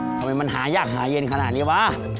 ทำไมมันหายากหาเย็นขนาดนี้วะ